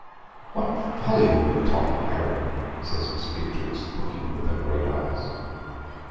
"What folly you are talking, Harry," says Miss Beatrix, looking with her great eyes.